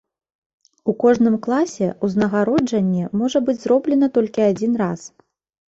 У кожным класе ўзнагароджанне можа быць зроблена толькі адзін раз.